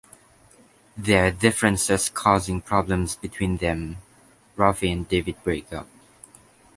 Their differences causing problems between them, Rafi and David break up.